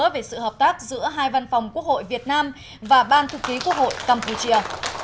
về sự hợp tác giữa hai văn phòng quốc hội việt nam và ban thực ký quốc hội campuchia